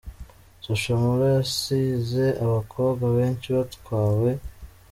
Social Mula yasize abakobwa benshi batwawe….